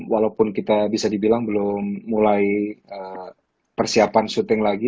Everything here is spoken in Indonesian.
walaupun kita bisa dibilang belum mulai persiapan syuting lagi